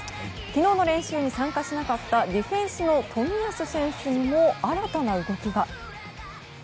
昨日の練習に参加しなかったディフェンスの冨安選手にも新たな動きが。